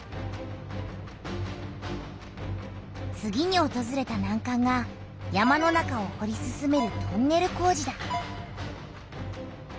次におとずれたなんかんが山の中をほり進めるトンネル工事だ。